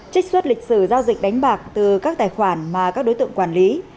trích xuất lịch sử giao dịch đánh bạc từ các tài khoản mà các đối tượng quản lý